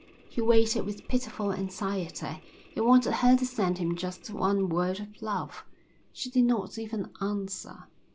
He waited with pitiful anxiety. He wanted her to send him just one word of love; she did not even answer.